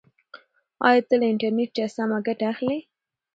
ایا ته له انټرنیټه سمه ګټه اخلې؟